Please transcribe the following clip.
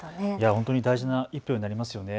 本当に大事な１票になりますよね。